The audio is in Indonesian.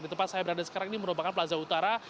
di tempat saya berada sekarang ini merupakan plaza utara